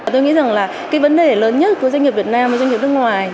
tôi nghĩ rằng vấn đề lớn nhất của doanh nghiệp việt nam và doanh nghiệp nước ngoài